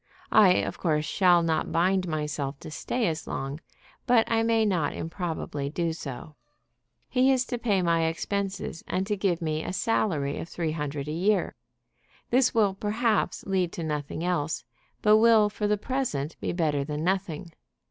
I of course shall not bind myself to stay as long; but I may not improbably do so. He is to pay my expenses and to give me a salary of three hundred a year. This will, perhaps, lead to nothing else, but will for the present be better than nothing.